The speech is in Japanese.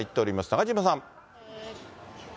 中島さん。